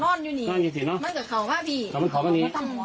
นอนอยู่สิเนอะหลังนอนอยู่สิเหรอหลังนอนอยู่สิเหรอหลังนอนอยู่สิเหรอ